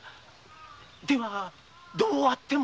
ではどうあっても？